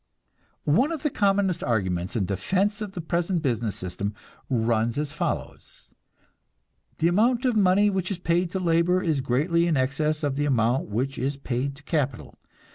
One of the commonest arguments in defense of the present business system runs as follows: The amount of money which is paid to labor is greatly in excess of the amount which is paid to capital.